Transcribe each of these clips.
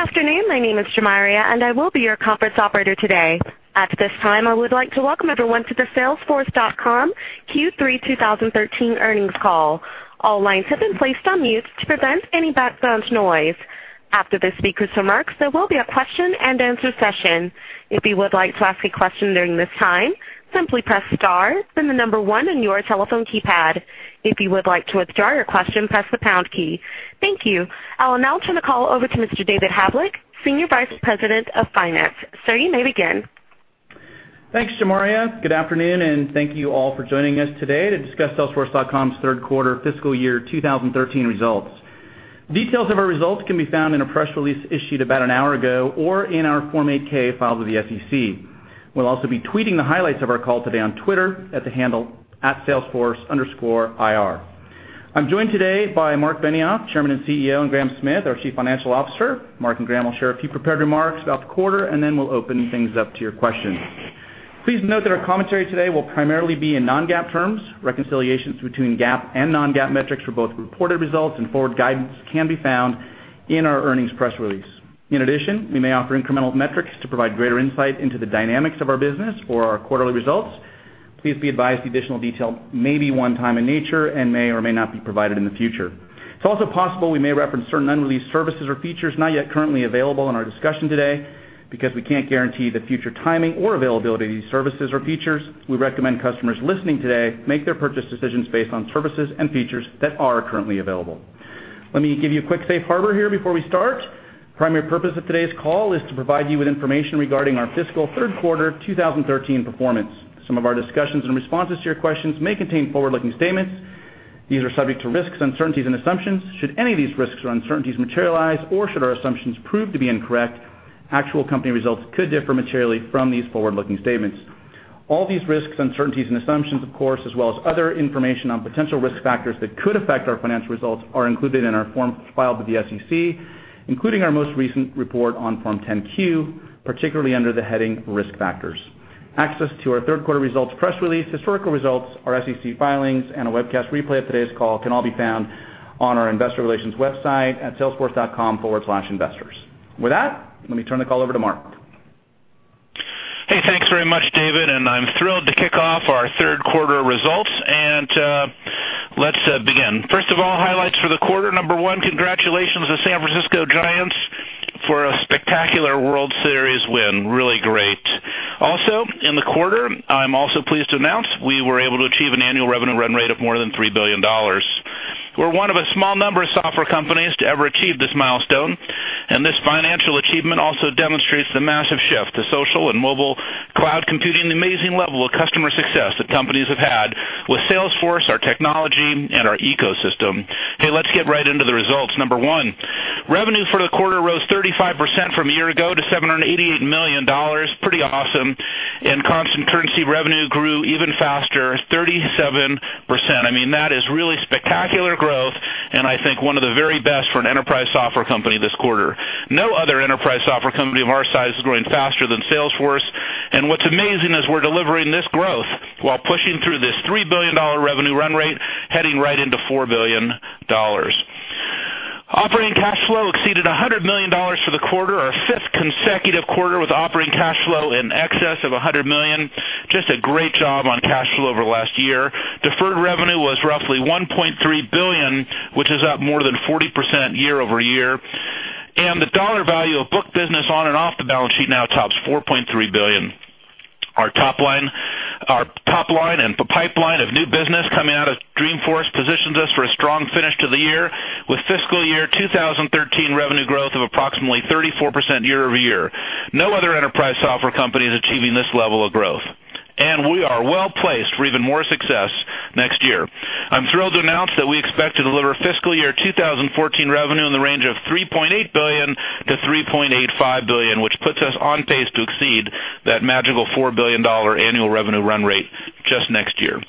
Good afternoon. My name is Jamaria, and I will be your conference operator today. At this time, I would like to welcome everyone to the Salesforce.com Q3 2013 earnings call. All lines have been placed on mute to prevent any background noise. After the speakers' remarks, there will be a question and answer session. If you would like to ask a question during this time, simply press star then the number one on your telephone keypad. If you would like to withdraw your question, press the pound key. Thank you. I will now turn the call over to Mr. David Havlek, Senior Vice President of Finance. Sir, you may begin. Thanks, Jamaria. Good afternoon, and thank you all for joining us today to discuss Salesforce.com's third quarter fiscal year 2013 results. Details of our results can be found in a press release issued about an hour ago or in our Form 8-K filed with the SEC. We'll also be tweeting the highlights of our call today on Twitter at the handle @salesforce_IR. I'm joined today by Marc Benioff, Chairman and CEO, and Graham Smith, our Chief Financial Officer. Marc and Graham will share a few prepared remarks about the quarter, and then we'll open things up to your questions. Please note that our commentary today will primarily be in non-GAAP terms. Reconciliations between GAAP and non-GAAP metrics for both reported results and forward guidance can be found in our earnings press release. In addition, we may offer incremental metrics to provide greater insight into the dynamics of our business or our quarterly results. Please be advised the additional detail may be one-time in nature and may or may not be provided in the future. It's also possible we may reference certain unreleased services or features not yet currently available in our discussion today. Because we can't guarantee the future timing or availability of these services or features, we recommend customers listening today make their purchase decisions based on services and features that are currently available. Let me give you a quick safe harbor here before we start. The primary purpose of today's call is to provide you with information regarding our fiscal third quarter 2013 performance. Some of our discussions and responses to your questions may contain forward-looking statements. These are subject to risks, uncertainties, and assumptions. Should any of these risks or uncertainties materialize or should our assumptions prove to be incorrect, actual company results could differ materially from these forward-looking statements. All these risks, uncertainties, and assumptions, of course, as well as other information on potential risk factors that could affect our financial results, are included in our forms filed with the SEC, including our most recent report on Form 10-Q, particularly under the heading Risk Factors. Access to our third quarter results, press release, historical results, our SEC filings, and a webcast replay of today's call can all be found on our investor relations website at salesforce.com/investors. With that, let me turn the call over to Marc. Hey, thanks very much, David, I'm thrilled to kick off our third quarter results. Let's begin. First of all, highlights for the quarter. Number one, congratulations to San Francisco Giants for a spectacular World Series win. Really great. Also, in the quarter, I'm also pleased to announce we were able to achieve an annual revenue run rate of more than $3 billion. We're one of a small number of software companies to ever achieve this milestone, and this financial achievement also demonstrates the massive shift to social and mobile cloud computing, the amazing level of customer success that companies have had with Salesforce, our technology, and our ecosystem. Hey, let's get right into the results. Number one, revenue for the quarter rose 35% from a year ago to $788 million. Pretty awesome. In constant currency, revenue grew even faster, 37%. That is really spectacular growth, I think one of the very best for an enterprise software company this quarter. No other enterprise software company of our size is growing faster than Salesforce. What's amazing is we're delivering this growth while pushing through this $3 billion revenue run rate, heading right into $4 billion. Operating cash flow exceeded $100 million for the quarter, our fifth consecutive quarter with operating cash flow in excess of $100 million. Just a great job on cash flow over the last year. Deferred revenue was roughly $1.3 billion, which is up more than 40% year-over-year. The dollar value of book business on and off the balance sheet now tops $4.3 billion. Our top line and pipeline of new business coming out of Dreamforce positions us for a strong finish to the year, with fiscal year 2013 revenue growth of approximately 34% year-over-year. No other enterprise software company is achieving this level of growth. We are well-placed for even more success next year. I'm thrilled to announce that we expect to deliver fiscal year 2014 revenue in the range of $3.8 billion-$3.85 billion, which puts us on pace to exceed that magical $4 billion annual revenue run rate just next year.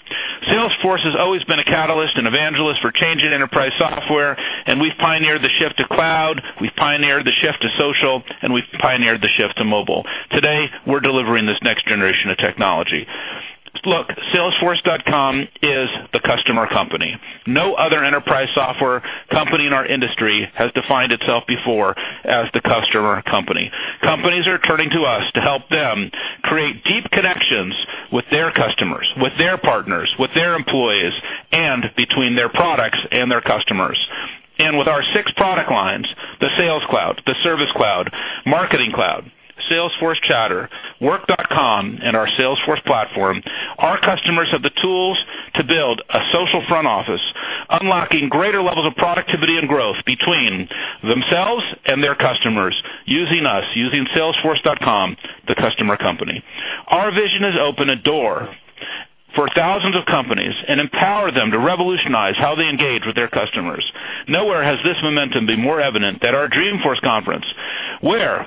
Salesforce has always been a catalyst and evangelist for change in enterprise software, we've pioneered the shift to cloud, we've pioneered the shift to social, and we've pioneered the shift to mobile. Today, we're delivering this next generation of technology. Look, Salesforce.com is the customer company. No other enterprise software company in our industry has defined itself before as the customer company. Companies are turning to us to help them create deep connections with their customers, with their partners, with their employees, and between their products and their customers. With our six product lines, the Sales Cloud, the Service Cloud, Marketing Cloud, Salesforce Chatter, Work.com, and our Salesforce Platform, our customers have the tools to build a social front office, unlocking greater levels of productivity and growth between themselves and their customers using us, using Salesforce.com, the customer company. Our vision is open a door for thousands of companies and empower them to revolutionize how they engage with their customers. Nowhere has this momentum been more evident than our Dreamforce conference, where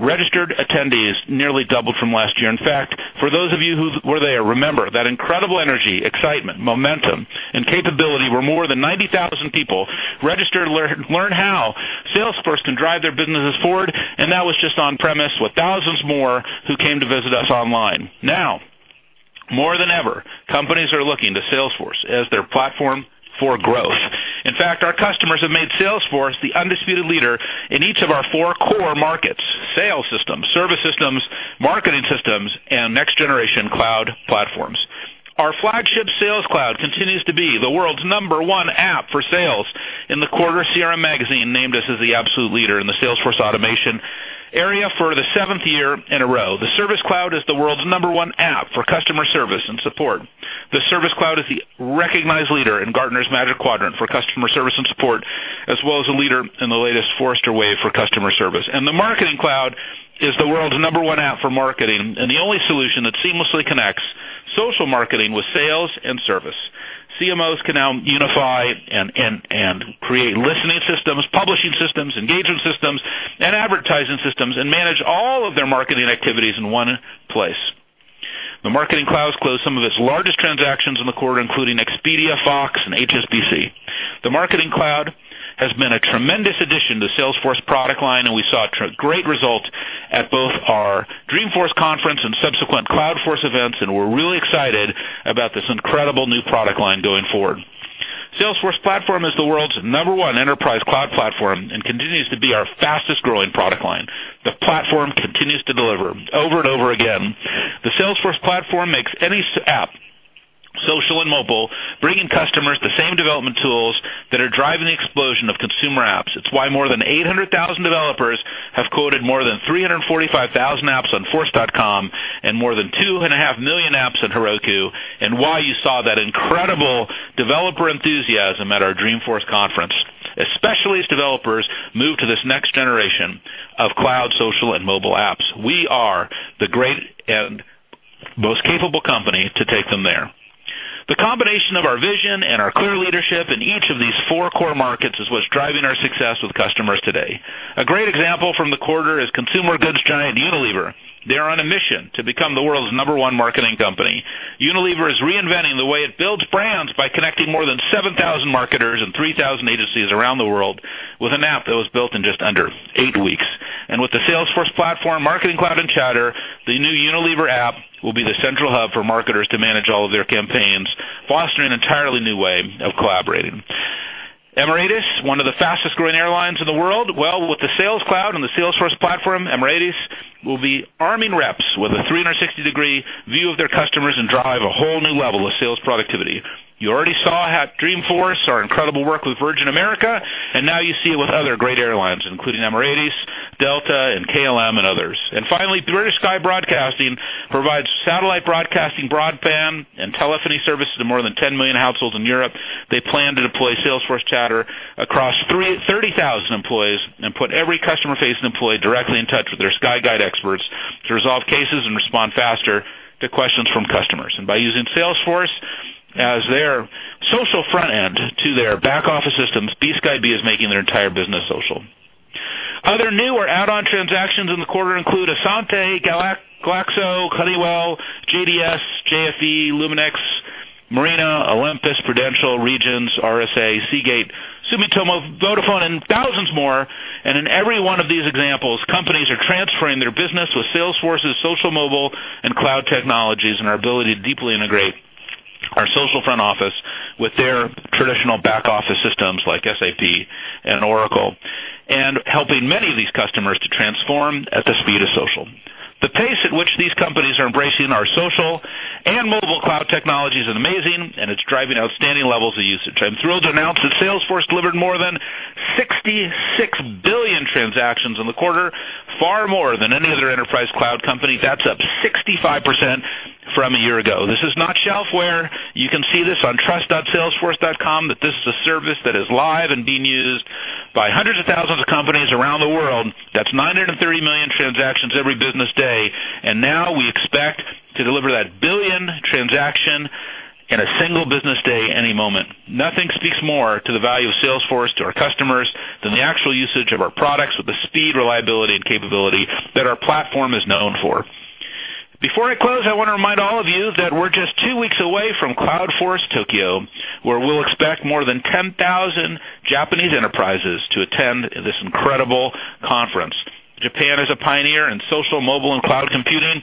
registered attendees nearly doubled from last year. In fact, for those of you who were there, remember that incredible energy, excitement, momentum, and capability where more than 90,000 people registered to learn how Salesforce can drive their businesses forward, and that was just on-premise with thousands more who came to visit us online. Now, more than ever, companies are looking to Salesforce as their platform for growth. In fact, our customers have made Salesforce the undisputed leader in each of our four core markets: sales systems, service systems, marketing systems, and next-generation cloud platforms. Our flagship Sales Cloud continues to be the world's number one app for sales. In the quarter, CRM Magazine named us as the absolute leader in the Salesforce automation area for the seventh year in a row. The Service Cloud is the world's number one app for customer service and support. The Service Cloud is the recognized leader in Gartner's Magic Quadrant for customer service and support, as well as a leader in the latest Forrester Wave for customer service. The Marketing Cloud is the world's number one app for marketing, and the only solution that seamlessly connects social marketing with sales and service. CMOs can now unify and create listening systems, publishing systems, engagement systems, and advertising systems, and manage all of their marketing activities in one place. The Marketing Cloud closed some of its largest transactions in the quarter, including Expedia, Fox, and HSBC. The Marketing Cloud has been a tremendous addition to Salesforce product line, and we saw great results at both our Dreamforce conference and subsequent Cloudforce events, and we're really excited about this incredible new product line going forward. Salesforce Platform is the world's number one enterprise cloud platform, and continues to be our fastest-growing product line. The Platform continues to deliver over and over again. The Salesforce Platform makes any app social and mobile, bringing customers the same development tools that are driving the explosion of consumer apps. It's why more than 800,000 developers have coded more than 345,000 apps on force.com and more than 2.5 million apps on Heroku, and why you saw that incredible developer enthusiasm at our Dreamforce conference. Especially as developers move to this next generation of cloud, social, and mobile apps. We are the great and most capable company to take them there. The combination of our vision and our clear leadership in each of these four core markets is what's driving our success with customers today. A great example from the quarter is consumer goods giant Unilever. They are on a mission to become the world's number one marketing company. Unilever is reinventing the way it builds brands by connecting more than 7,000 marketers and 3,000 agencies around the world with an app that was built in just under eight weeks. With the Salesforce Platform, Marketing Cloud, and Chatter, the new Unilever app will be the central hub for marketers to manage all of their campaigns, fostering an entirely new way of collaborating. Emirates, one of the fastest-growing airlines in the world. Well, with the Sales Cloud and the Salesforce Platform, Emirates will be arming reps with a 360-degree view of their customers and drive a whole new level of sales productivity. You already saw at Dreamforce our incredible work with Virgin America, and now you see it with other great airlines, including Emirates, Delta, and KLM, and others. Finally, British Sky Broadcasting provides satellite broadcasting, broadband, and telephony services to more than 10 million households in Europe. They plan to deploy Salesforce Chatter across 30,000 employees and put every customer-facing employee directly in touch with their Sky Guide experts to resolve cases and respond faster to questions from customers. By using Salesforce as their social front end to their back office systems, BSkyB is making their entire business social. Other new or add-on transactions in the quarter include Asante, Glaxo, Honeywell, JDS, JFE, Luminex, Marina, Olympus, Prudential, Regions, RSA, Seagate, Sumitomo, Vodafone, and thousands more. In every one of these examples, companies are transferring their business with Salesforce's social, mobile, and cloud technologies, and our ability to deeply integrate our social front office with their traditional back-office systems like SAP and Oracle, and helping many of these customers to transform at the speed of social. The pace at which these companies are embracing our social and mobile cloud technologies is amazing, and it's driving outstanding levels of usage. I'm thrilled to announce that Salesforce delivered more than 66 billion transactions in the quarter, far more than any other enterprise cloud company. That's up 65% from a year ago. This is not shelfware. You can see this on trust.salesforce.com, that this is a service that is live and being used by hundreds of thousands of companies around the world. That's 930 million transactions every business day, and now we expect to deliver that billion transaction in a single business day any moment. Nothing speaks more to the value of Salesforce to our customers than the actual usage of our products with the speed, reliability, and capability that our platform is known for. Before I close, I want to remind all of you that we're just two weeks away from Cloudforce Tokyo, where we'll expect more than 10,000 Japanese enterprises to attend this incredible conference. Japan is a pioneer in social, mobile, and cloud computing.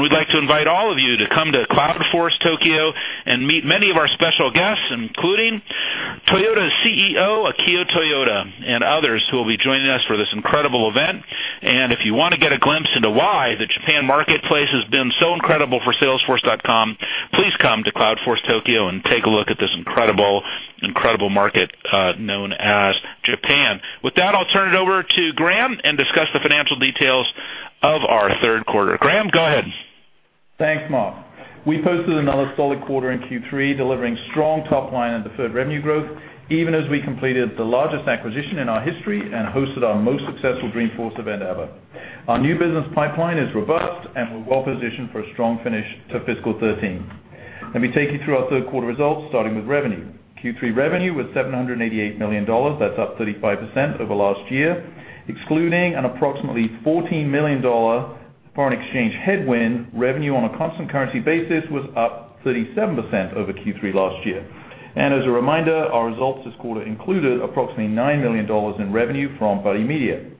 We'd like to invite all of you to come to Cloudforce Tokyo and meet many of our special guests, including Toyota's CEO, Akio Toyoda, and others, who will be joining us for this incredible event. If you want to get a glimpse into why the Japan marketplace has been so incredible for salesforce.com, please come to Cloudforce Tokyo and take a look at this incredible market, known as Japan. With that, I'll turn it over to Graham and discuss the financial details of our third quarter. Graham, go ahead. Thanks, Marc. We posted another solid quarter in Q3, delivering strong top line and deferred revenue growth, even as we completed the largest acquisition in our history and hosted our most successful Dreamforce event ever. Our new business pipeline is robust, and we're well-positioned for a strong finish to fiscal 2013. Let me take you through our third quarter results, starting with revenue. Q3 revenue was $788 million. That's up 35% over last year. Excluding an approximately $14 million foreign exchange headwind, revenue on a constant currency basis was up 37% over Q3 last year. As a reminder, our results this quarter included approximately $9 million in revenue from Buddy Media.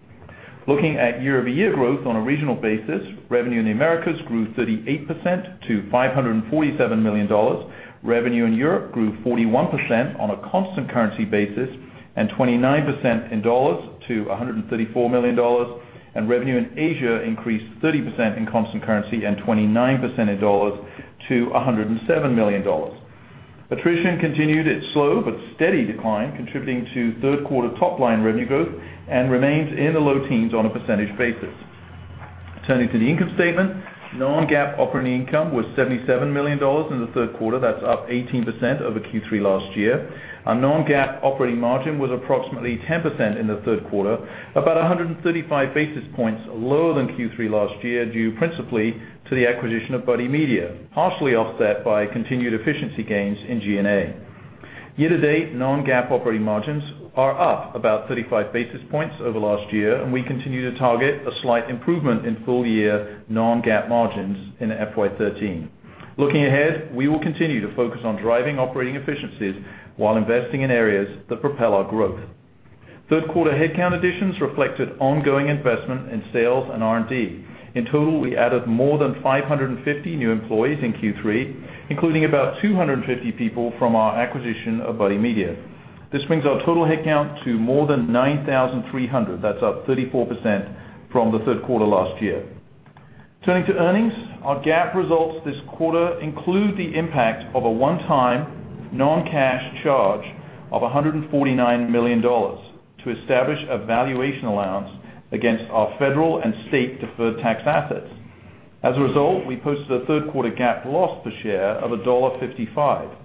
Looking at year-over-year growth on a regional basis, revenue in the Americas grew 38% to $547 million. Revenue in Europe grew 41% on a constant currency basis, and 29% in dollars to $134 million. Revenue in Asia increased 30% in constant currency and 29% in dollars to $107 million. Attrition continued its slow but steady decline, contributing to third quarter top-line revenue growth and remains in the low teens on a percentage basis. Turning to the income statement, non-GAAP operating income was $77 million in the third quarter. That's up 18% over Q3 last year. Our non-GAAP operating margin was approximately 10% in the third quarter, about 135 basis points lower than Q3 last year due principally to the acquisition of Buddy Media, partially offset by continued efficiency gains in G&A. Year-to-date, non-GAAP operating margins are up about 35 basis points over last year. We continue to target a slight improvement in full-year non-GAAP margins in FY 2013. Looking ahead, we will continue to focus on driving operating efficiencies while investing in areas that propel our growth. Third quarter headcount additions reflected ongoing investment in sales and R&D. In total, we added more than 550 new employees in Q3, including about 250 people from our acquisition of Buddy Media. This brings our total headcount to more than 9,300. That's up 34% from the third quarter last year. Turning to earnings, our GAAP results this quarter include the impact of a one-time non-cash charge of $149 million to establish a valuation allowance against our federal and state deferred tax assets. As a result, we posted a third-quarter GAAP loss per share of $1.55.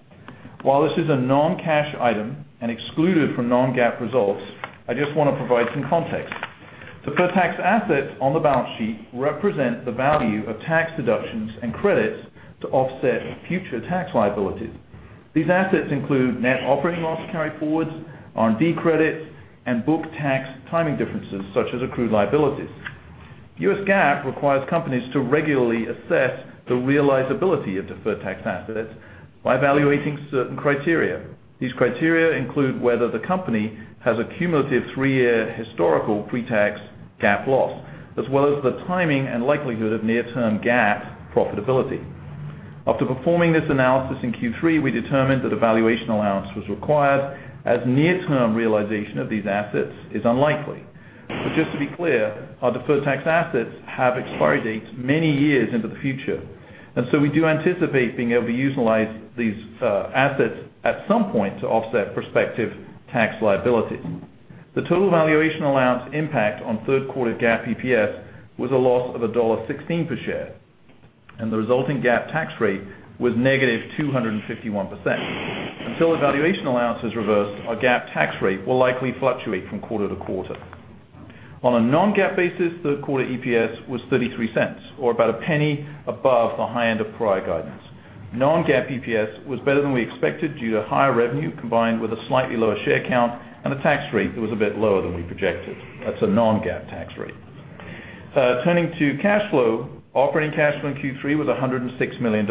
While this is a non-cash item and excluded from non-GAAP results, I just want to provide some context. The deferred tax assets on the balance sheet represent the value of tax deductions and credits to offset future tax liabilities. These assets include net operating loss carryforwards, R&D credits, and book tax timing differences such as accrued liabilities. U.S. GAAP requires companies to regularly assess the realizability of deferred tax assets by evaluating certain criteria. These criteria include whether the company has a cumulative three-year historical pretax GAAP loss, as well as the timing and likelihood of near-term GAAP profitability. After performing this analysis in Q3, we determined that a valuation allowance was required as near-term realization of these assets is unlikely. Just to be clear, our deferred tax assets have expiry dates many years into the future. We do anticipate being able to utilize these assets at some point to offset prospective tax liabilities. The total valuation allowance impact on third quarter GAAP EPS was a loss of $1.16 per share, and the resulting GAAP tax rate was negative 251%. Until the valuation allowance is reversed, our GAAP tax rate will likely fluctuate from quarter to quarter. On a non-GAAP basis, third quarter EPS was $0.33, or about $0.01 above the high end of prior guidance. Non-GAAP EPS was better than we expected due to higher revenue, combined with a slightly lower share count and a tax rate that was a bit lower than we projected. That's a non-GAAP tax rate. Turning to cash flow, operating cash flow in Q3 was $106 million.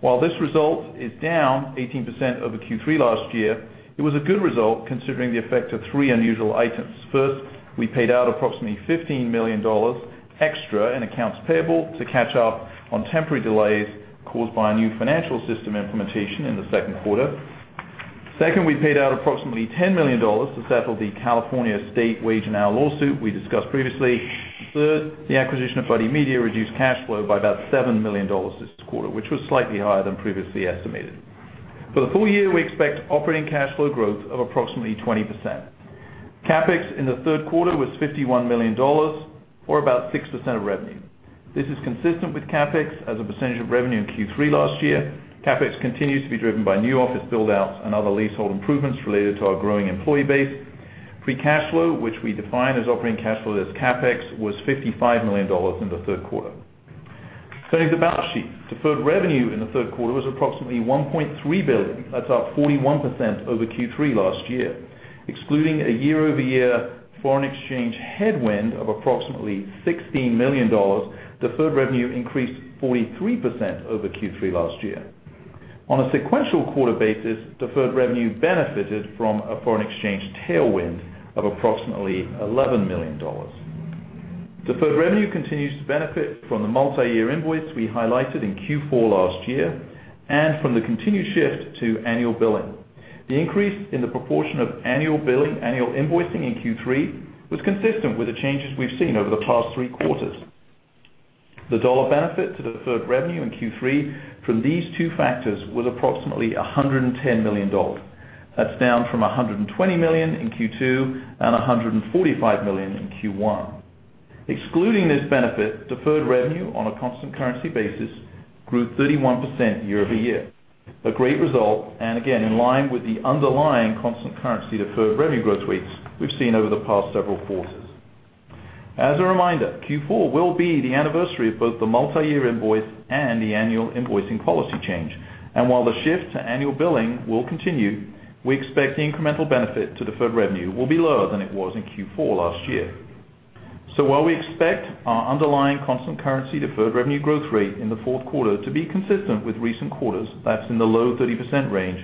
While this result is down 18% over Q3 last year, it was a good result considering the effect of three unusual items. First, we paid out approximately $15 million extra in accounts payable to catch up on temporary delays caused by a new financial system implementation in the second quarter. Second, we paid out approximately $10 million to settle the California state wage and hour lawsuit we discussed previously. Third, the acquisition of Buddy Media reduced cash flow by about $7 million this quarter, which was slightly higher than previously estimated. For the full year, we expect operating cash flow growth of approximately 20%. CapEx in the third quarter was $51 million, or about 6% of revenue. This is consistent with CapEx as a percentage of revenue in Q3 last year. CapEx continues to be driven by new office build-outs and other leasehold improvements related to our growing employee base. Free cash flow, which we define as operating cash flow less CapEx, was $55 million in the third quarter. Turning to the balance sheet, deferred revenue in the third quarter was approximately $1.3 billion. That's up 41% over Q3 last year. Excluding a year-over-year foreign exchange headwind of approximately $16 million, deferred revenue increased 43% over Q3 last year. On a sequential quarter basis, deferred revenue benefited from a foreign exchange tailwind of approximately $11 million. Deferred revenue continues to benefit from the multi-year invoice we highlighted in Q4 last year and from the continued shift to annual billing. The increase in the proportion of annual billing, annual invoicing in Q3 was consistent with the changes we've seen over the past three quarters. The dollar benefit to deferred revenue in Q3 from these two factors was approximately $110 million. That's down from $120 million in Q2 and $145 million in Q1. Excluding this benefit, deferred revenue on a constant currency basis grew 31% year-over-year. A great result, and again, in line with the underlying constant currency deferred revenue growth rates we've seen over the past several quarters. As a reminder, Q4 will be the anniversary of both the multi-year invoice and the annual invoicing policy change. While the shift to annual billing will continue, we expect the incremental benefit to deferred revenue will be lower than it was in Q4 last year. While we expect our underlying constant currency deferred revenue growth rate in the fourth quarter to be consistent with recent quarters, that's in the low 30% range.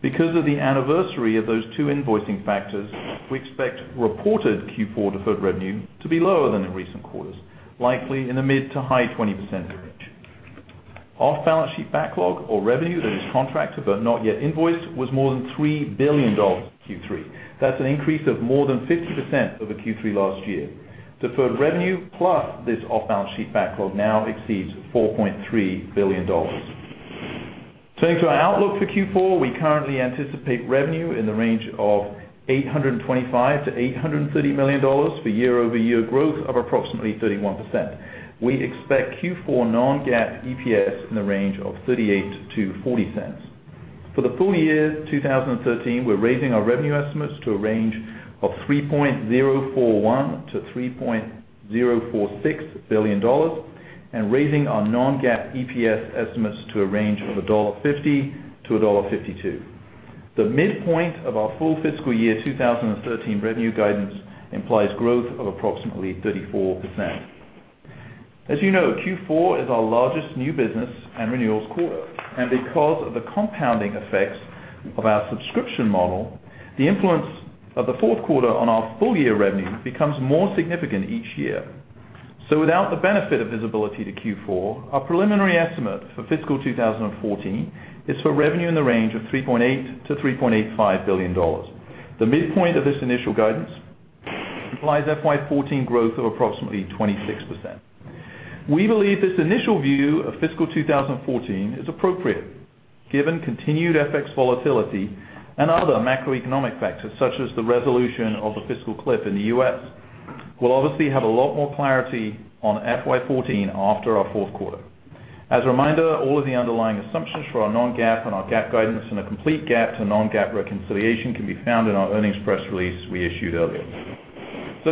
Because of the anniversary of those two invoicing factors, we expect reported Q4 deferred revenue to be lower than in recent quarters, likely in the mid to high 20% range. Off-balance sheet backlog or revenue that is contracted but not yet invoiced was more than $3 billion in Q3. That's an increase of more than 50% over Q3 last year. Deferred revenue plus this off-balance sheet backlog now exceeds $4.3 billion. Turning to our outlook for Q4, we currently anticipate revenue in the range of $825 million-$830 million for year-over-year growth of approximately 31%. We expect Q4 non-GAAP EPS in the range of $0.38-$0.40. For the full year 2013, we're raising our revenue estimates to a range of $3.041 billion-$3.046 billion and raising our non-GAAP EPS estimates to a range of $1.50-$1.52. The midpoint of our full fiscal year 2013 revenue guidance implies growth of approximately 34%. As you know, Q4 is our largest new business and renewals quarter. Because of the compounding effects of our subscription model, the influence of the fourth quarter on our full year revenue becomes more significant each year. Without the benefit of visibility to Q4, our preliminary estimate for fiscal 2014 is for revenue in the range of $3.8 billion-$3.85 billion. The midpoint of this initial guidance implies FY 2014 growth of approximately 26%. We believe this initial view of fiscal 2014 is appropriate, given continued FX volatility and other macroeconomic factors such as the resolution of the fiscal cliff in the U.S. We'll obviously have a lot more clarity on FY 2014 after our fourth quarter. As a reminder, all of the underlying assumptions for our non-GAAP and our GAAP guidance, and a complete GAAP to non-GAAP reconciliation can be found in our earnings press release we issued earlier.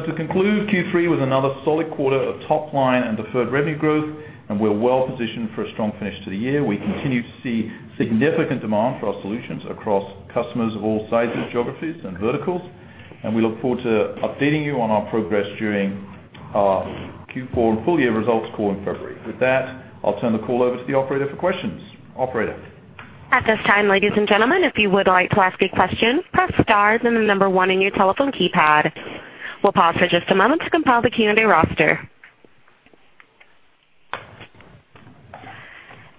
To conclude Q3 with another solid quarter of top-line and deferred revenue growth, and we're well-positioned for a strong finish to the year. We continue to see significant demand for our solutions across customers of all sizes, geographies, and verticals, and we look forward to updating you on our progress during our Q4 and full-year results call in February. With that, I'll turn the call over to the operator for questions. Operator? At this time, ladies and gentlemen, if you would like to ask a question, press star, then the number one on your telephone keypad. We'll pause for just a moment to compile the Q&A roster.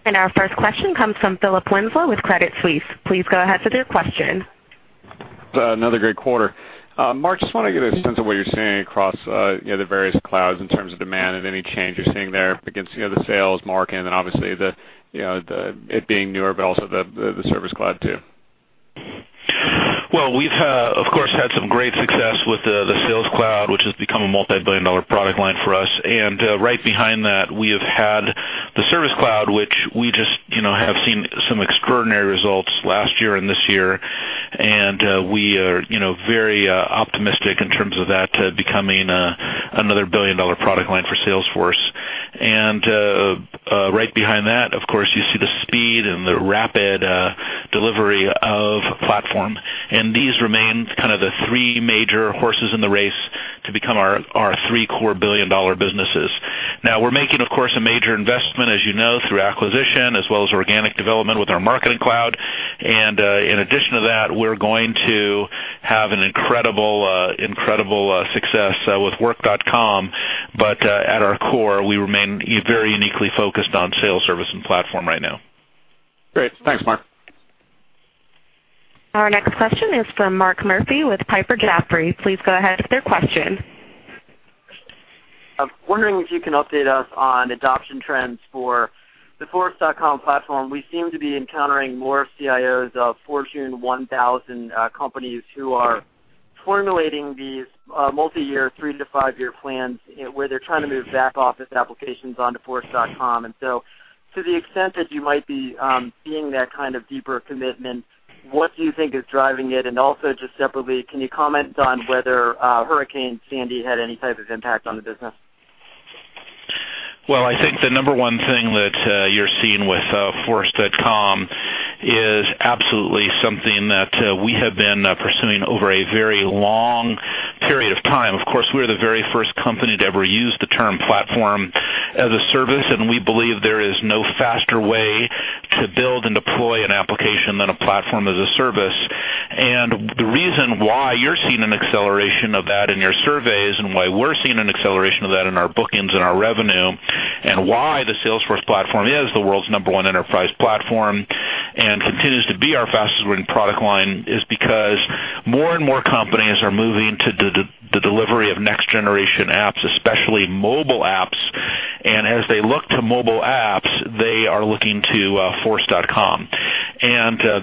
Our first question comes from Philip Winslow with Credit Suisse. Please go ahead with your question. Another great quarter. Marc, just want to get a sense of what you're seeing across the various clouds in terms of demand and any change you're seeing there against the Sales Cloud, and then obviously it being newer, but also the Service Cloud too. Well, we've of course had some great success with the Sales Cloud, which has become a multibillion-dollar product line for us. Right behind that, we have had the Service Cloud, which we just have seen some extraordinary results last year and this year, and we are very optimistic in terms of that becoming another billion-dollar product line for Salesforce. Right behind that, of course, you see the speed and the rapid delivery of Salesforce Platform, and these remain kind of the three major horses in the race to become our three core billion-dollar businesses. We're making, of course, a major investment, as you know, through acquisition as well as organic development with our Marketing Cloud. In addition to that, we're going to have an incredible success with work.com. At our core, we remain very uniquely focused on Sales, Service, and Salesforce Platform right now. Great. Thanks, Marc. Our next question is from Marc Murphy with Piper Jaffray. Please go ahead with your question. I'm wondering if you can update us on adoption trends for the force.com platform. We seem to be encountering more CIOs of Fortune 1000 companies who are formulating these multi-year, three-to-five-year plans, where they're trying to move back office applications onto force.com. To the extent that you might be seeing that kind of deeper commitment, what do you think is driving it? Also just separately, can you comment on whether Hurricane Sandy had any type of impact on the business? Well, I think the number one thing that you're seeing with Force.com is absolutely something that we have been pursuing over a very long period of time. Of course, we're the very first company to ever use the term platform as a service, we believe there is no faster way to build and deploy an application than a platform as a service. The reason why you're seeing an acceleration of that in your surveys, why we're seeing an acceleration of that in our bookings and our revenue, why the Salesforce Platform is the world's number one enterprise platform and continues to be our fastest growing product line, is because more and more companies are moving to the delivery of next generation apps, especially mobile apps. As they look to mobile apps, they are looking to Force.com,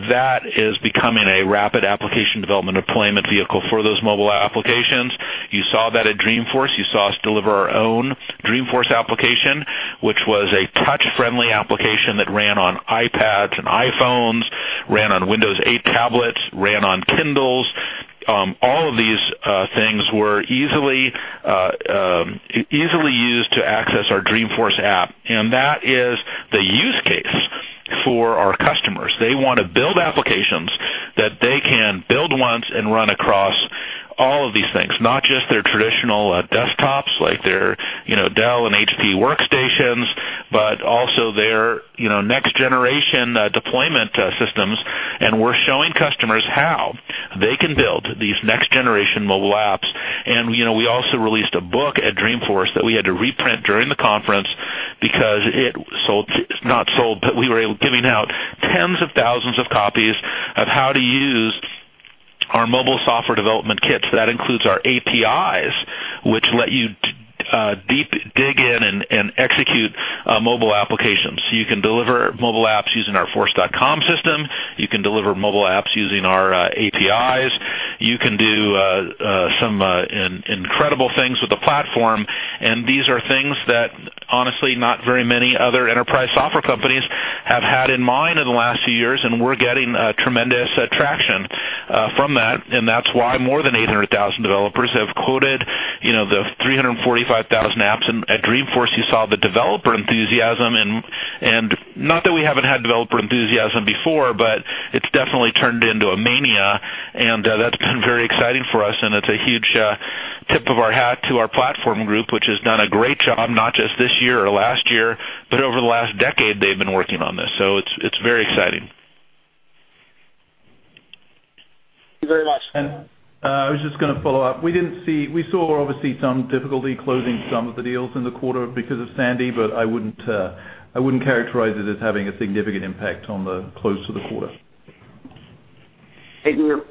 that is becoming a rapid application development deployment vehicle for those mobile applications. You saw that at Dreamforce. You saw us deliver our own Dreamforce application, which was a touch-friendly application that ran on iPads and iPhones, ran on Windows 8 tablets, ran on Kindles. All of these things were easily used to access our Dreamforce app, that is the use case for our customers. They want to build applications that they can build once and run across- All of these things, not just their traditional desktops, like their Dell and HP workstations, but also their next-generation deployment systems. We're showing customers how they can build these next-generation mobile apps. We also released a book at Dreamforce that we had to reprint during the conference because we were giving out tens of thousands of copies of how to use our mobile software development kits. That includes our APIs, which let you dig in and execute mobile applications. You can deliver mobile apps using our Force.com system. You can deliver mobile apps using our APIs. You can do some incredible things with the platform, these are things that, honestly, not very many other enterprise software companies have had in mind in the last few years, we're getting tremendous traction from that. That's why more than 800,000 developers have coded the 345,000 apps. At Dreamforce, you saw the developer enthusiasm, not that we haven't had developer enthusiasm before, but it's definitely turned into a mania, that's been very exciting for us. It's a huge tip of our hat to our platform group, which has done a great job, not just this year or last year, but over the last decade they've been working on this. It's very exciting. Thank you very much. I was just going to follow up. We saw, obviously, some difficulty closing some of the deals in the quarter because of Sandy, but I wouldn't characterize it as having a significant impact on the close of the quarter. Thank you.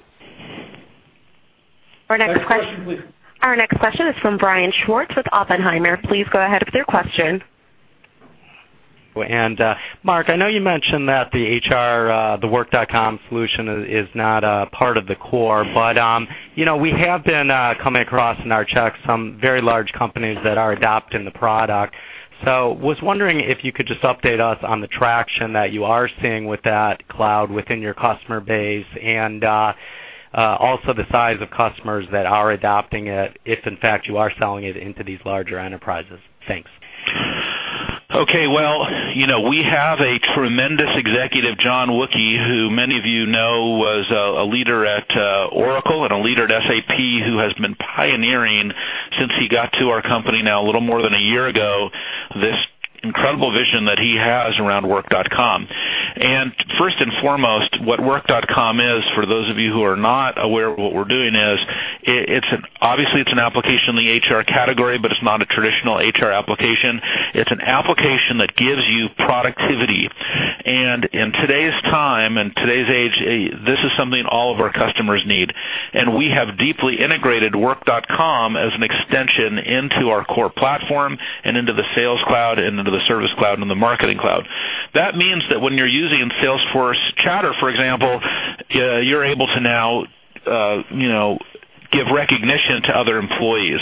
Our next question- Next question, please. Our next question is from Brian Schwartz with Oppenheimer. Please go ahead with your question. Mark, I know you mentioned that the HR, the Work.com solution, is not a part of the core, but we have been coming across, in our checks, some very large companies that are adopting the product. Was wondering if you could just update us on the traction that you are seeing with that cloud within your customer base and also the size of customers that are adopting it, if in fact you are selling it into these larger enterprises. Thanks. Okay. Well, we have a tremendous executive, John Wookey, who many of you know was a leader at Oracle and a leader at SAP, who has been pioneering since he got to our company now a little more than a year ago, this incredible vision that he has around Work.com. First and foremost, what Work.com is, for those of you who are not aware of what we're doing is, obviously, it's an application in the HR category, but it's not a traditional HR application. It's an application that gives you productivity. In today's time and today's age, this is something all of our customers need. We have deeply integrated Work.com as an extension into our core platform and into the Sales Cloud and into the Service Cloud and the Marketing Cloud. That means that when you're using Salesforce Chatter, for example, you're able to now give recognition to other employees.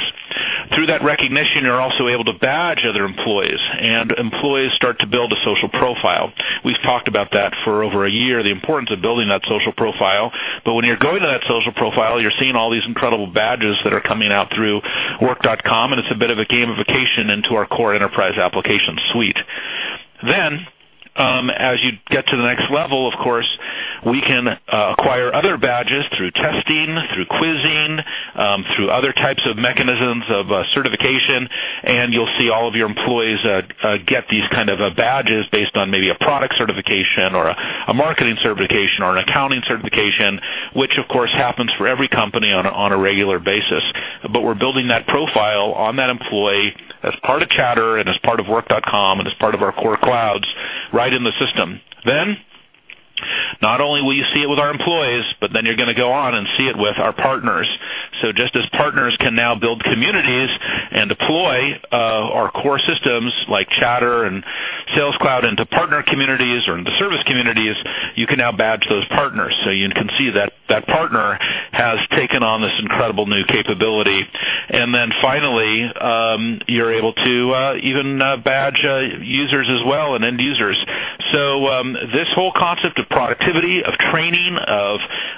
Through that recognition, you're also able to badge other employees, and employees start to build a social profile. We've talked about that for over a year, the importance of building that social profile. When you're going to that social profile, you're seeing all these incredible badges that are coming out through Work.com, and it's a bit of a gamification into our core enterprise application suite. As you get to the next level, of course, we can acquire other badges through testing, through quizzing, through other types of mechanisms of certification, and you'll see all of your employees get these kind of badges based on maybe a product certification or a marketing certification or an accounting certification, which, of course, happens for every company on a regular basis. We're building that profile on that employee as part of Chatter and as part of Work.com and as part of our core clouds right in the system. Not only will you see it with our employees, but then you're going to go on and see it with our partners. Just as partners can now build communities and deploy our core systems like Chatter and Sales Cloud into partner communities or into service communities, you can now badge those partners. You can see that that partner has taken on this incredible new capability. Finally, you're able to even badge users as well and end users. This whole concept of productivity, of training,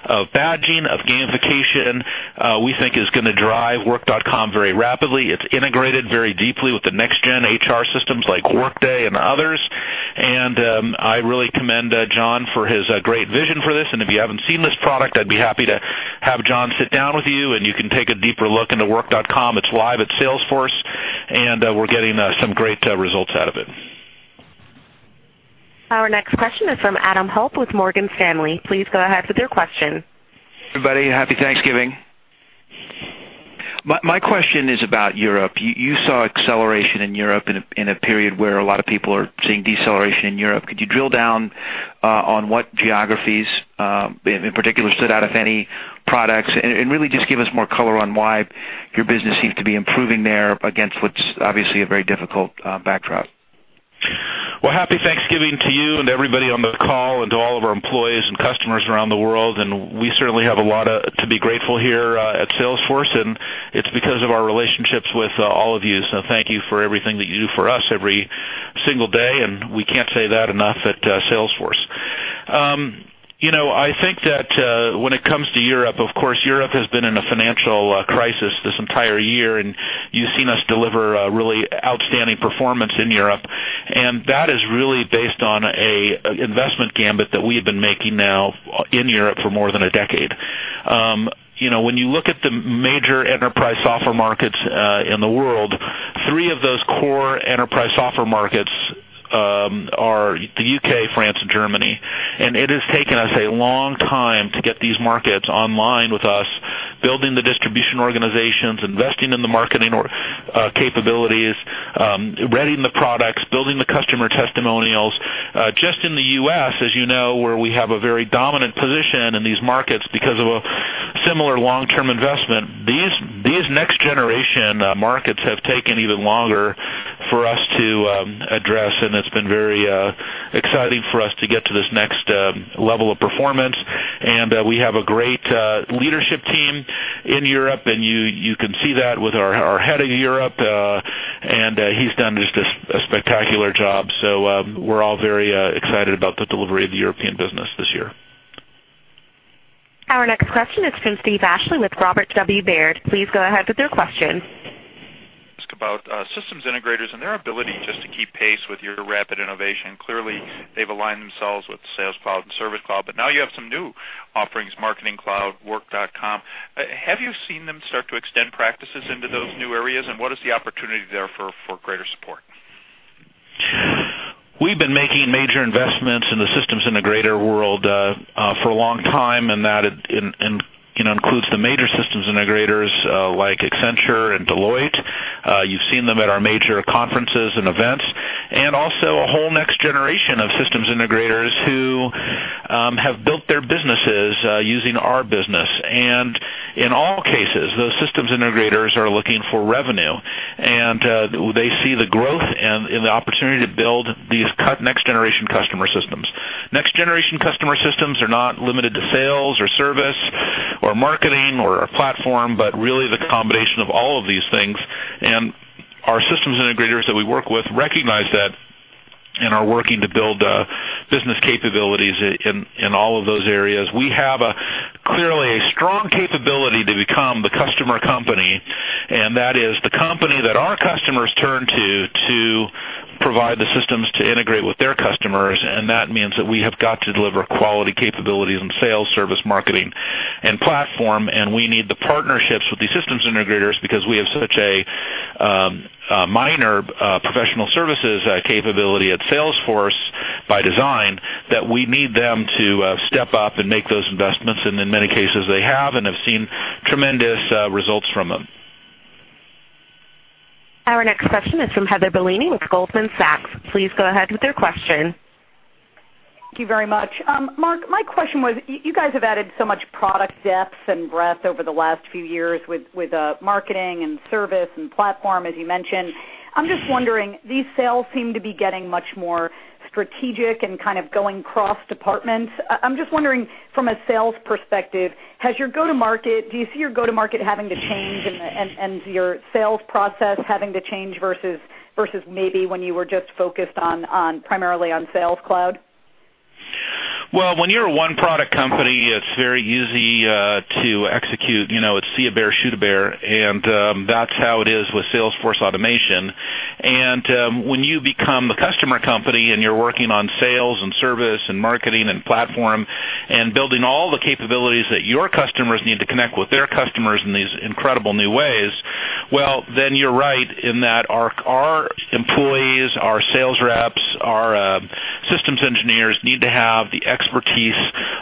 of badging, of gamification, we think is going to drive Work.com very rapidly. It's integrated very deeply with the next-gen HR systems like Workday and others. I really commend John for his great vision for this. If you haven't seen this product, I'd be happy to have John sit down with you, and you can take a deeper look into Work.com. It's live at Salesforce, and we're getting some great results out of it. Our next question is from Adam Holt with Morgan Stanley. Please go ahead with your question. Everybody, Happy Thanksgiving. My question is about Europe. You saw acceleration in Europe in a period where a lot of people are seeing deceleration in Europe. Could you drill down on what geographies, in particular, stood out, if any, products? Really just give us more color on why your business seems to be improving there against what's obviously a very difficult backdrop. Happy Thanksgiving to you and everybody on the call and to all of our employees and customers around the world. We certainly have a lot to be grateful here at Salesforce, and it's because of our relationships with all of you. Thank you for everything that you do for us every single day, and we can't say that enough at Salesforce. When it comes to Europe, of course, Europe has been in a financial crisis this entire year. You've seen us deliver a really outstanding performance in Europe. That is really based on an investment gambit that we have been making now in Europe for more than a decade. When you look at the major enterprise software markets in the world, three of those core enterprise software markets are the U.K., France, and Germany. It has taken us a long time to get these markets online with us, building the distribution organizations, investing in the marketing capabilities, readying the products, building the customer testimonials. Just in the U.S., as you know, where we have a very dominant position in these markets because of a similar long-term investment, these next-generation markets have taken even longer for us to address, and it's been very exciting for us to get to this next level of performance. We have a great leadership team in Europe, and you can see that with our head of Europe. He's done just a spectacular job. We're all very excited about the delivery of the European business this year. Our next question is from Steve Ashley with Robert W. Baird. Please go ahead with your question. Ask about systems integrators and their ability just to keep pace with your rapid innovation. Clearly, they've aligned themselves with Sales Cloud and Service Cloud, but now you have some new offerings, Marketing Cloud, Work.com. Have you seen them start to extend practices into those new areas, and what is the opportunity there for greater support? We've been making major investments in the systems integrator world for a long time. That includes the major systems integrators like Accenture and Deloitte. You've seen them at our major conferences and events. Also a whole next generation of systems integrators who have built their businesses using our business. In all cases, those systems integrators are looking for revenue, and they see the growth and the opportunity to build these next-generation customer systems. Next-generation customer systems are not limited to sales or service or marketing or a platform, but really the combination of all of these things. Our systems integrators that we work with recognize that and are working to build business capabilities in all of those areas. We have clearly a strong capability to become the customer company. That is the company that our customers turn to to provide the systems to integrate with their customers. That means that we have got to deliver quality capabilities in sales, service, marketing, and platform. We need the partnerships with these systems integrators because we have such a minor professional services capability at Salesforce by design that we need them to step up and make those investments. In many cases, they have and have seen tremendous results from them. Our next question is from Heather Bellini with Goldman Sachs. Please go ahead with your question. Thank you very much. Marc, my question was, you guys have added so much product depth and breadth over the last few years with Marketing and Service and Platform, as you mentioned. I'm just wondering, these sales seem to be getting much more strategic and kind of going cross-department. I'm just wondering from a sales perspective, do you see your go-to-market having to change and your sales process having to change versus maybe when you were just focused primarily on Sales Cloud? Well, when you're a one-product company, it's very easy to execute. It's see a bear, shoot a bear, and that's how it is with Salesforce automation. When you become the customer company and you're working on Sales and Service and Marketing and Platform and building all the capabilities that your customers need to connect with their customers in these incredible new ways, well, then you're right in that our employees, our sales reps, our systems engineers need to have the expertise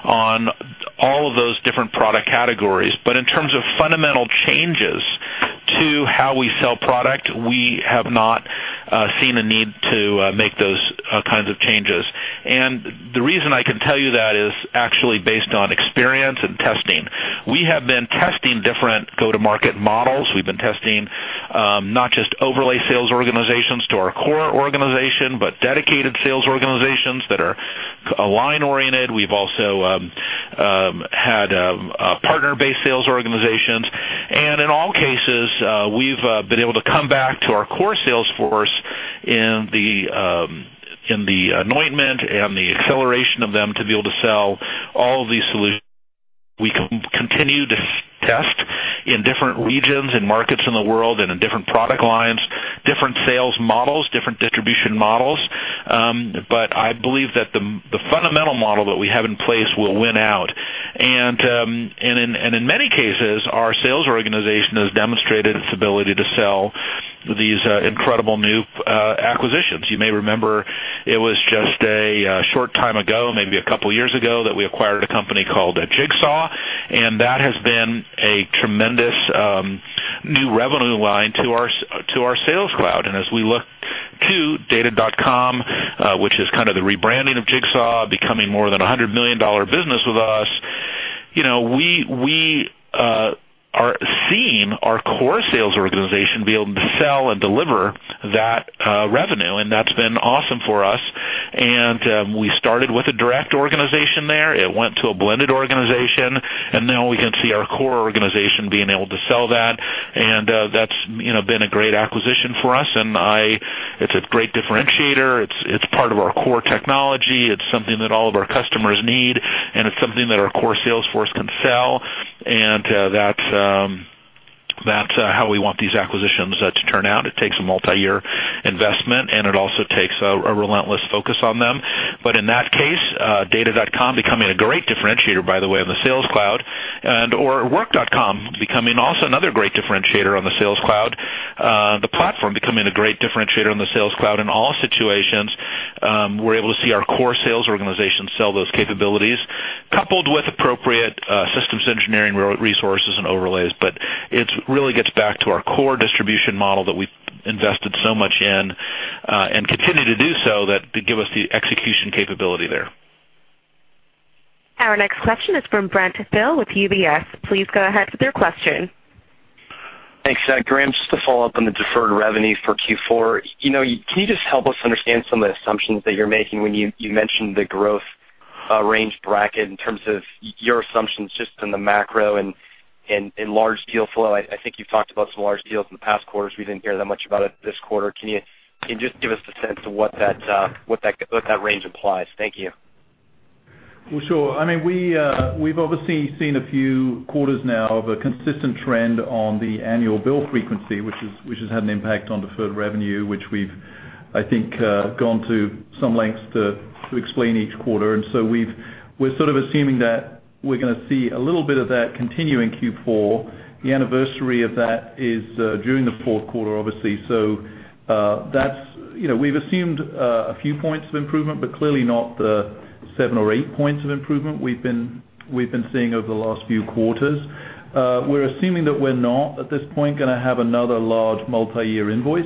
on all of those different product categories. In terms of fundamental changes to how we sell product, we have not seen a need to make those kinds of changes. The reason I can tell you that is actually based on experience and testing. We have been testing different go-to-market models. We've been testing not just overlay sales organizations to our core organization, but dedicated sales organizations that are line-oriented. We've also had partner-based sales organizations. In all cases, we've been able to come back to our core sales force in the anointment and the acceleration of them to be able to sell all of these solutions. We continue to test in different regions and markets in the world and in different product lines, different sales models, different distribution models. I believe that the fundamental model that we have in place will win out. In many cases, our sales organization has demonstrated its ability to sell these incredible new acquisitions. You may remember it was just a short time ago, maybe a couple of years ago, that we acquired a company called Jigsaw, and that has been a tremendous new revenue line to our Sales Cloud. As we look to Data.com, which is kind of the rebranding of Jigsaw, becoming more than a $100 million business with us, we are seeing our core sales organization be able to sell and deliver that revenue, and that's been awesome for us. We started with a direct organization there. It went to a blended organization, and now we can see our core organization being able to sell that, and that's been a great acquisition for us, and it's a great differentiator. It's part of our core technology. It's something that all of our customers need, and it's something that our core sales force can sell. That's how we want these acquisitions to turn out. It takes a multi-year investment, and it also takes a relentless focus on them. In that case, Data.com becoming a great differentiator, by the way, on the Sales Cloud, and/or Work.com becoming also another great differentiator on the Sales Cloud. The Platform becoming a great differentiator on the Sales Cloud in all situations. We're able to see our core sales organization sell those capabilities coupled with appropriate systems engineering resources and overlays. It really gets back to our core distribution model that we've invested so much in, and continue to do so to give us the execution capability there. Our next question is from Brent Thill with UBS. Please go ahead with your question. Thanks. Graham, just to follow up on the deferred revenue for Q4. Can you just help us understand some of the assumptions that you're making when you mentioned the growth range bracket in terms of your assumptions just in the macro and large deal flow? I think you've talked about some large deals in the past quarters. We didn't hear that much about it this quarter. Can you just give us a sense of what that range implies? Thank you. Well, sure. We've obviously seen a few quarters now of a consistent trend on the annual bill frequency, which has had an impact on deferred revenue, which we've, I think, gone to some lengths to explain each quarter. We're sort of assuming that we're going to see a little bit of that continue in Q4. The anniversary of that is during the fourth quarter, obviously. We've assumed a few points of improvement, but clearly not the seven or eight points of improvement we've been seeing over the last few quarters. We're assuming that we're not, at this point, going to have another large multi-year invoice.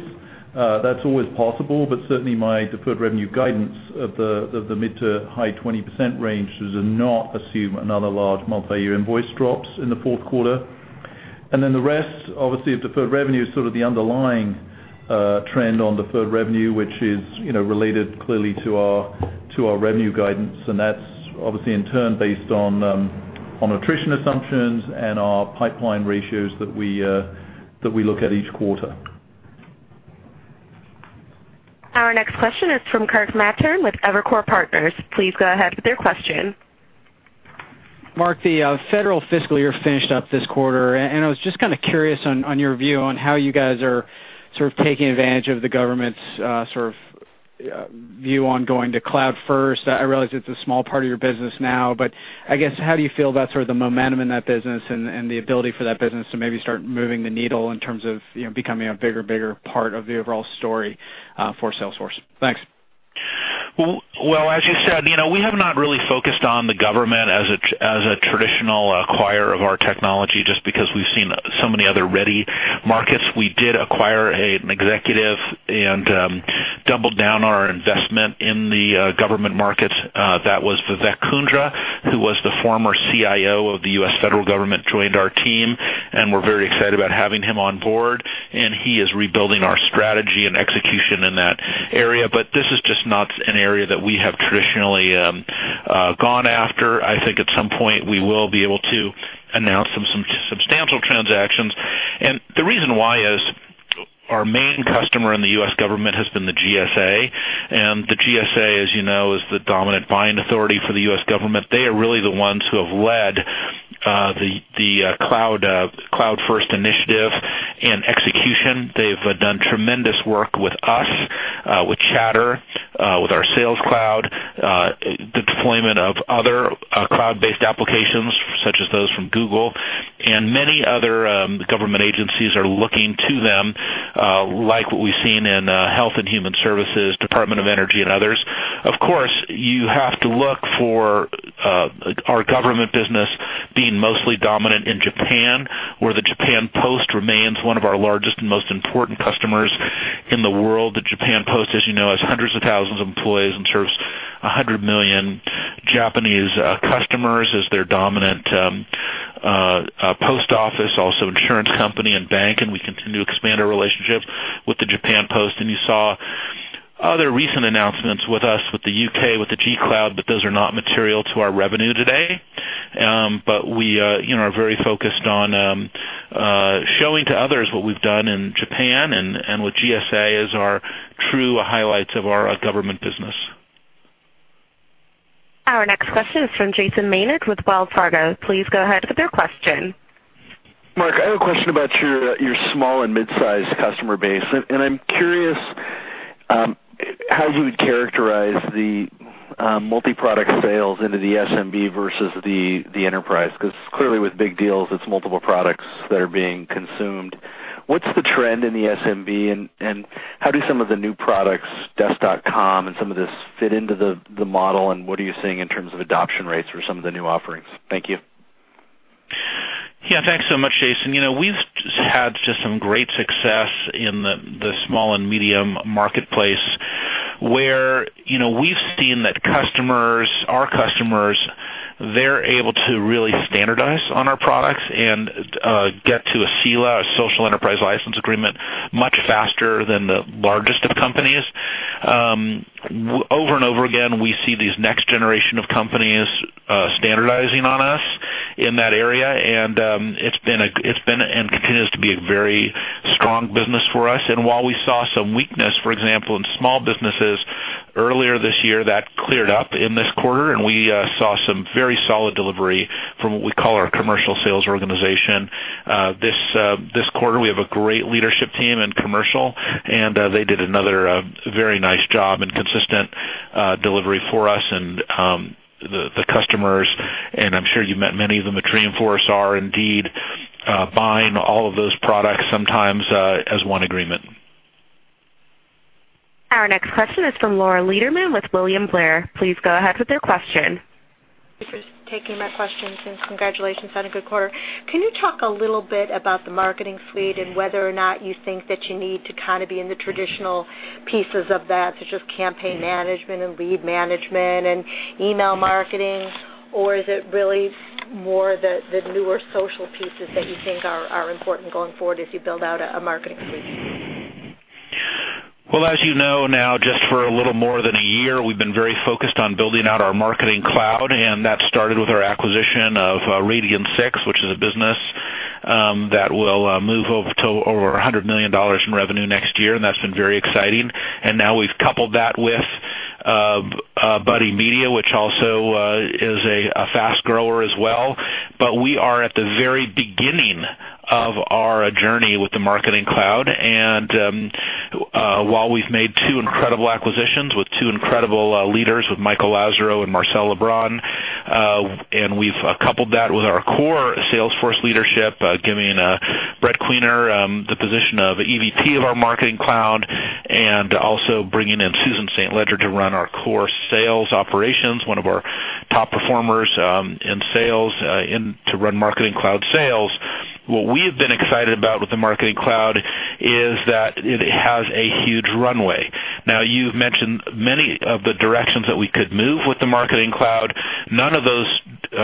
That's always possible, but certainly my deferred revenue guidance of the mid to high 20% range does not assume another large multi-year invoice drops in the fourth quarter. The rest, obviously, of deferred revenue is sort of the underlying trend on deferred revenue, which is related clearly to our revenue guidance, and that's obviously in turn based on attrition assumptions and our pipeline ratios that we look at each quarter. Our next question is from Kirk Materne with Evercore Partners. Please go ahead with your question. Mark, the federal fiscal year finished up this quarter. I was just kind of curious on your view on how you guys are sort of taking advantage of the government's view on going to cloud-first. I realize it's a small part of your business now, but I guess, how do you feel about sort of the momentum in that business and the ability for that business to maybe start moving the needle in terms of becoming a bigger part of the overall story for Salesforce? Thanks. As you said, we have not really focused on the government as a traditional acquirer of our technology, just because we've seen so many other ready markets. We did acquire an executive and doubled down our investment in the government market. That was Vivek Kundra, who was the former CIO of the U.S. federal government, joined our team, and we're very excited about having him on board, and he is rebuilding our strategy and execution in that area. This is just not an area that we have traditionally gone after. I think at some point, we will be able to announce some substantial transactions. The reason why is our main customer in the U.S. government has been the GSA, and the GSA, as you know, is the dominant buying authority for the U.S. government. They are really the ones who have led the cloud-first initiative and execution. They've done tremendous work with us, with Chatter, with our Sales Cloud, the deployment of other cloud-based applications, such as those from Google, and many other government agencies are looking to them, like what we've seen in Health and Human Services, Department of Energy and others. Of course, you have to look for our government business being mostly dominant in Japan, where the Japan Post remains one of our largest and most important customers in the world. The Japan Post, as you know, has hundreds of thousands of employees and serves 100 million Japanese customers as their dominant post office, also insurance company and bank, and we continue to expand our relationship with the Japan Post. You saw other recent announcements with us, with the U.K., with the G-Cloud, but those are not material to our revenue today. We are very focused on showing to others what we've done in Japan and with GSA as our true highlights of our government business. Our next question is from Jason Maynard with Wells Fargo. Please go ahead with your question. Mark, I have a question about your small and mid-size customer base, and I'm curious how you would characterize the multi-product sales into the SMB versus the enterprise, because clearly with big deals, it's multiple products that are being consumed. What's the trend in the SMB, and how do some of the new products, Desk.com, and some of this fit into the model, and what are you seeing in terms of adoption rates for some of the new offerings? Thank you. Yeah. Thanks so much, Jason. We've had just some great success in the small and medium marketplace, where we've seen that our customers, they're able to really standardize on our products and get to a SELA, a social enterprise license agreement, much faster than the largest of companies. Over and over again, we see these next generation of companies standardizing on us in that area, and it's been and continues to be a very strong business for us. While we saw some weakness, for example, in small businesses earlier this year, that cleared up in this quarter, and we saw some very solid delivery from what we call our commercial sales organization. This quarter, we have a great leadership team in commercial, and they did another very nice job in consistent delivery for us and the customers. I'm sure you've met many of them at Dreamforce, are indeed buying all of those products, sometimes as one agreement. Our next question is from Laura Lederman with William Blair. Please go ahead with your question. Thank you for taking my question, and congratulations on a good quarter. Can you talk a little bit about the marketing suite and whether or not you think that you need to be in the traditional pieces of that, such as campaign management and lead management and email marketing? Or is it really more the newer social pieces that you think are important going forward as you build out a marketing suite? Well, as you know now, just for a little more than a year, we've been very focused on building out our Marketing Cloud, and that started with our acquisition of Radian6, which is a business that will move over to over $100 million in revenue next year, and that's been very exciting. Now we've coupled that with Buddy Media, which also is a fast grower as well. We are at the very beginning of our journey with the Marketing Cloud. While we've made two incredible acquisitions with two incredible leaders, with Michael Lazerow and Marcel Lebrun, and we've coupled that with our core Salesforce leadership, giving Brett Queener the position of EVP of our Marketing Cloud, and also bringing in Susan St. Ledger to run our core sales operations, one of our top performers in sales to run Marketing Cloud sales. What we have been excited about with the Marketing Cloud is that it has a huge runway. Now, you've mentioned many of the directions that we could move with the Marketing Cloud. None of those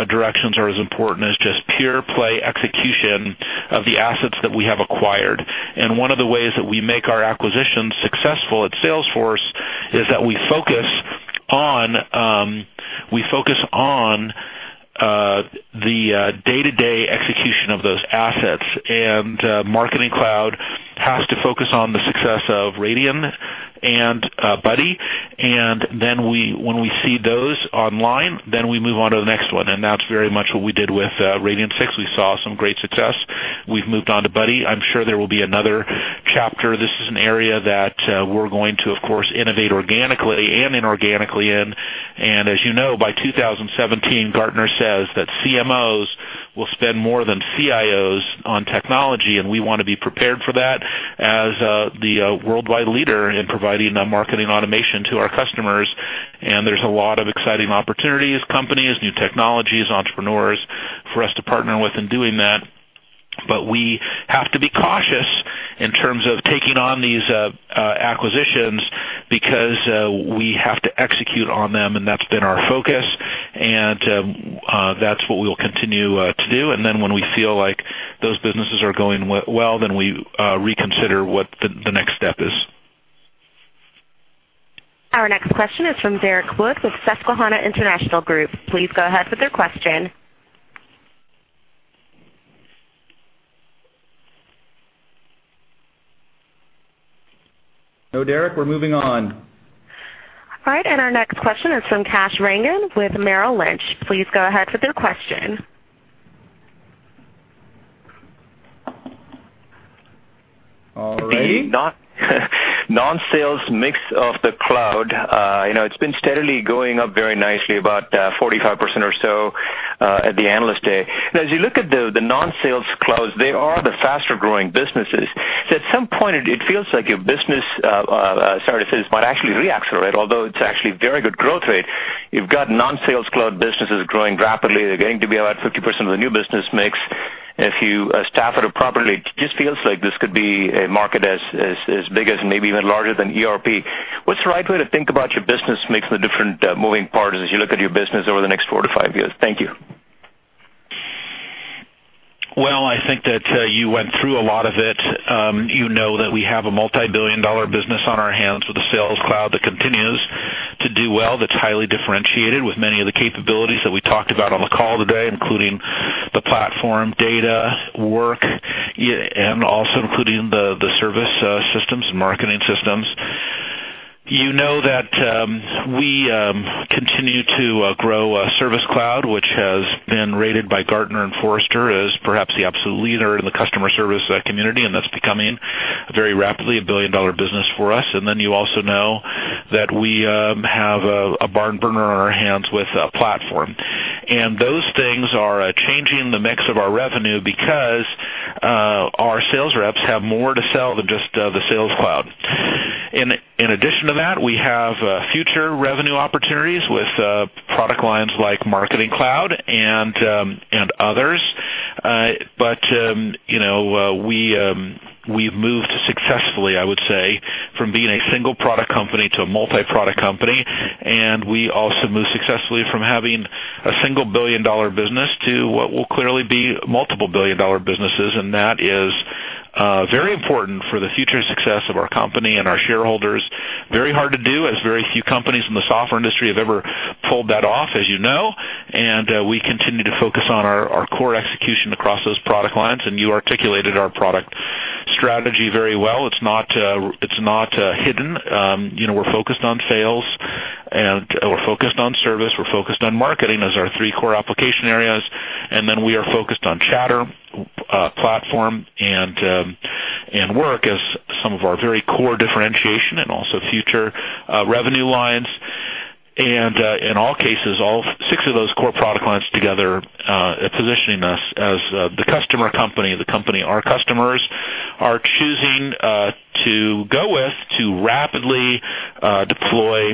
directions are as important as just pure play execution of the assets that we have acquired. One of the ways that we make our acquisitions successful at Salesforce is that we focus on the day-to-day execution of those assets. Marketing Cloud has to focus on the success of Radian and Buddy. Then when we see those online, then we move on to the next one, and that's very much what we did with Radian6. We saw some great success. We've moved on to Buddy. I'm sure there will be another chapter. This is an area that we're going to, of course, innovate organically and inorganically in. As you know, by 2017, Gartner says that CMOs will spend more than CIOs on technology, and we want to be prepared for that as the worldwide leader in providing marketing automation to our customers. There's a lot of exciting opportunities, companies, new technologies, entrepreneurs for us to partner with in doing that. We have to be cautious in terms of taking on these acquisitions because we have to execute on them, and that's been our focus, and that's what we'll continue to do. Then when we feel like those businesses are going well, then we reconsider what the next step is. Our next question is from Derek Wood with Susquehanna International Group. Please go ahead with your question. No, Derek, we're moving on. All right, our next question is from Kash Rangan with Merrill Lynch. Please go ahead with your question. All righty. Non-sales mix of the cloud. It's been steadily going up very nicely, about 45% or so at the analyst day. As you look at the non-sales clouds, they are the faster-growing businesses. At some point, it feels like your business might actually re-accelerate, although it's actually very good growth rate. You've got non-sales cloud businesses growing rapidly. They're getting to be about 50% of the new business mix. If you staff it up properly, it just feels like this could be a market as big as, maybe even larger than ERP. What's the right way to think about your business mix and the different moving parts as you look at your business over the next four to five years? Thank you. Well, I think that you went through a lot of it. You know that we have a multi-billion-dollar business on our hands with the Sales Cloud that continues to do well, that's highly differentiated with many of the capabilities that we talked about on the call today, including the Platform Data.com, Work.com and also including the service systems and marketing systems. You know that we continue to grow Service Cloud, which has been rated by Gartner and Forrester as perhaps the absolute leader in the customer service community, and that's becoming very rapidly a billion-dollar business for us. You also know that we have a barn burner on our hands with Platform. Those things are changing the mix of our revenue because our sales reps have more to sell than just the Sales Cloud. In addition to that, we have future revenue opportunities with product lines like Marketing Cloud and others. We've moved successfully, I would say, from being a single-product company to a multi-product company, and we also moved successfully from having a single billion-dollar business to what will clearly be multiple billion-dollar businesses. That is very important for the future success of our company and our shareholders. Very hard to do, as very few companies in the software industry have ever pulled that off, as you know. We continue to focus on our core execution across those product lines, and you articulated our product strategy very well. It's not hidden. We're focused on sales, and we're focused on service, we're focused on marketing as our three core application areas, and then we are focused on Chatter, Platform and Work as some of our very core differentiation and also future revenue lines. In all cases, all six of those core product lines together, positioning us as the customer company, the company our customers are choosing to go with to rapidly deploy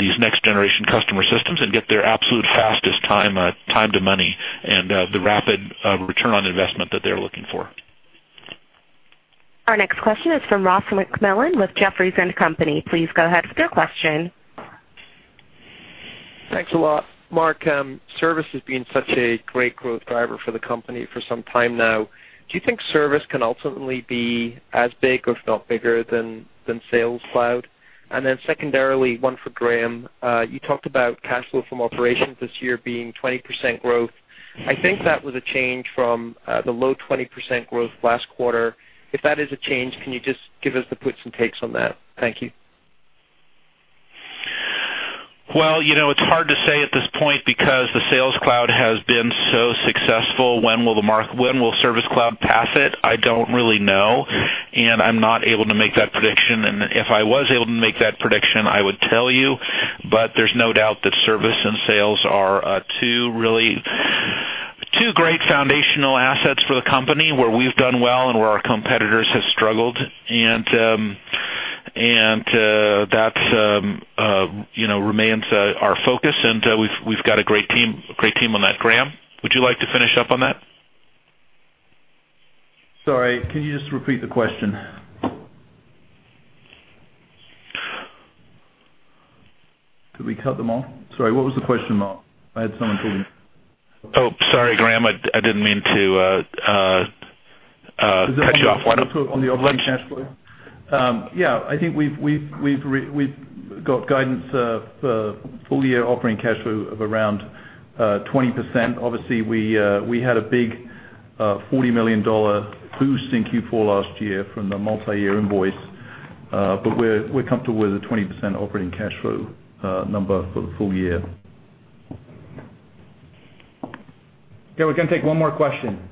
these next-generation customer systems and get their absolute fastest time to money and the rapid return on investment that they're looking for. Our next question is from Ross MacMillan with Jefferies & Company. Please go ahead with your question. Thanks a lot. Mark, service has been such a great growth driver for the company for some time now. Do you think service can ultimately be as big, if not bigger, than Sales Cloud? Secondarily, one for Graham. You talked about cash flow from operations this year being 20% growth. I think that was a change from the low 20% growth last quarter. If that is a change, can you just give us the puts and takes on that? Thank you. Well, it's hard to say at this point because the Sales Cloud has been so successful. When will Service Cloud pass it? I don't really know, and I'm not able to make that prediction. If I was able to make that prediction, I would tell you. There's no doubt that service and sales are two great foundational assets for the company, where we've done well and where our competitors have struggled. That remains our focus, and we've got a great team on that. Graham, would you like to finish up on that? Sorry, can you just repeat the question? Did we cut them off? Sorry, what was the question, Marc? I had someone pull me. Oh, sorry, Graham. I didn't mean to cut you off. On the operating cash flow. Yeah, I think we've got guidance for full-year operating cash flow of around 20%. Obviously, we had a big $40 million boost in Q4 last year from the multi-year invoice. We're comfortable with the 20% operating cash flow number for the full year. Yeah, we can take one more question.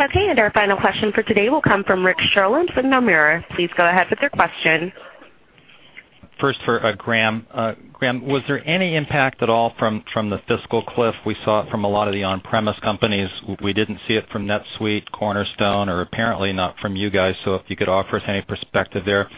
Okay, our final question for today will come from Rick Sherlund with Nomura. Please go ahead with your question. First for Graham. Graham, was there any impact at all from the fiscal cliff? We saw it from a lot of the on-premise companies. We didn't see it from NetSuite, Cornerstone, or apparently not from you guys. If you could offer us any perspective there.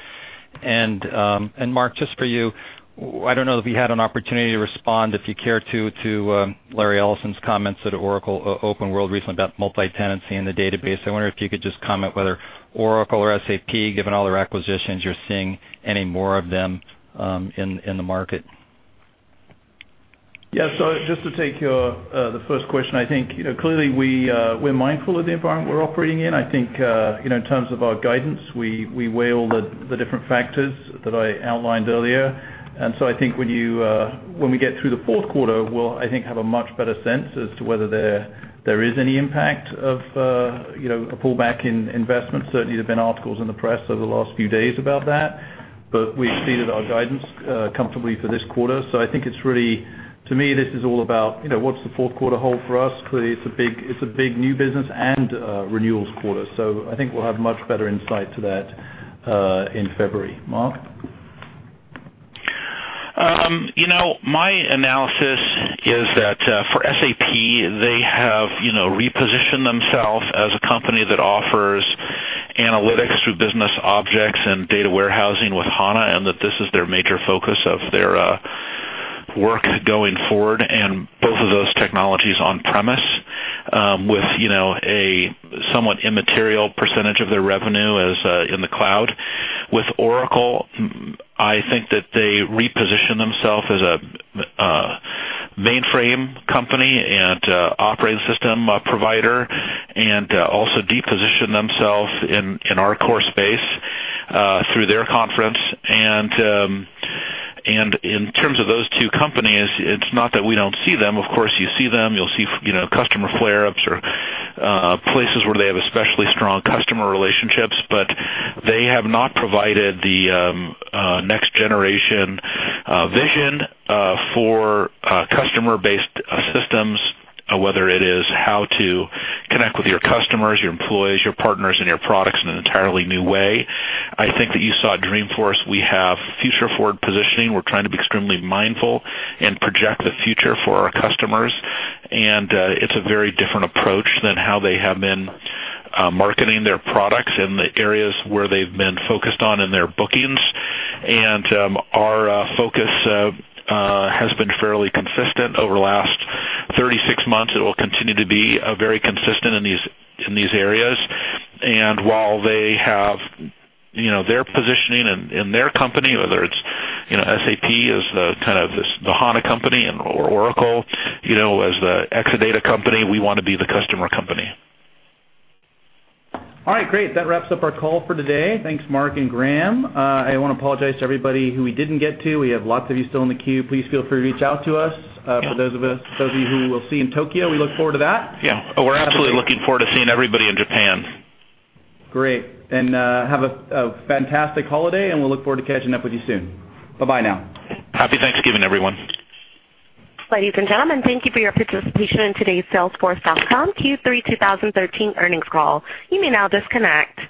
Marc, just for you, I don't know if you had an opportunity to respond, if you care to Larry Ellison's comments at Oracle OpenWorld recently about multi-tenancy in the database. I wonder if you could just comment whether Oracle or SAP, given all their acquisitions, you're seeing any more of them in the market. Just to take the first question, I think clearly we're mindful of the environment we're operating in. I think, in terms of our guidance, we weigh all the different factors that I outlined earlier. I think when we get through the fourth quarter, we'll, I think, have a much better sense as to whether there is any impact of a pullback in investment. Certainly, there's been articles in the press over the last few days about that. We've exceeded our guidance comfortably for this quarter. I think to me, this is all about what's the fourth quarter hold for us. Clearly, it's a big new business and renewals quarter. I think we'll have much better insight to that in February. Marc? My analysis is that for SAP, they have repositioned themselves as a company that offers analytics through BusinessObjects and data warehousing with HANA, and that this is their major focus of their work going forward, and both of those technologies on premise, with a somewhat immaterial percentage of their revenue as in the cloud. With Oracle, I think that they reposition themselves as a mainframe company and operating system provider, and also positioned themselves in our core space through their conference. In terms of those two companies, it's not that we don't see them. Of course, you see them. You'll see customer flare-ups or places where they have especially strong customer relationships, but they have not provided the next-generation vision for customer-based systems, whether it is how to connect with your customers, your employees, your partners, and your products in an entirely new way. I think that you saw Dreamforce, we have future-forward positioning. We're trying to be extremely mindful and project the future for our customers. It's a very different approach than how they have been marketing their products in the areas where they've been focused on in their bookings. Our focus has been fairly consistent over the last 36 months. It will continue to be very consistent in these areas. While they have their positioning in their company, whether it's SAP as the HANA company or Oracle as the Exadata company, we want to be the customer company. All right, great. That wraps up our call for today. Thanks, Marc and Graham. I want to apologize to everybody who we didn't get to. We have lots of you still in the queue. Please feel free to reach out to us. For those of you who we'll see in Tokyo, we look forward to that. Yeah. We're absolutely looking forward to seeing everybody in Japan. Great. Have a fantastic holiday, and we'll look forward to catching up with you soon. Bye-bye now. Happy Thanksgiving, everyone. Ladies and gentlemen, thank you for your participation in today's Salesforce.com Q3 2013 earnings call. You may now disconnect.